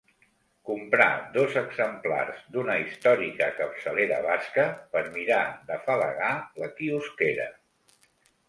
Comprar dos exemplars d'una històrica capçalera basca per mirar d'afalagar la quiosquera.